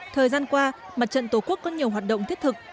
thời gian qua mặt trận tổ quốc có nhiều hoạt động thiết thực